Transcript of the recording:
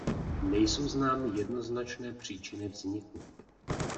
Nejsou známy jednoznačné příčiny vzniku.